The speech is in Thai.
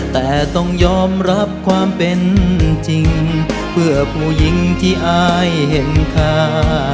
แต่ต้องยอมรับความเป็นจริงเพื่อผู้หญิงที่อายเห็นค่า